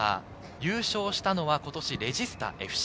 優勝したのは今年、レジスタＦＣ。